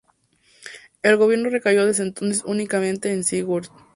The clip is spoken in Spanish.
El gobierno recayó desde entonces únicamente en Sigurd.